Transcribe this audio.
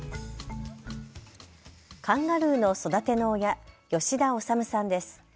カンガルーの育ての親、吉田修さんです。